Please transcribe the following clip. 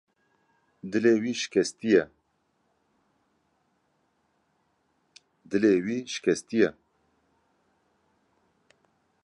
Dilê wî şikestî ye.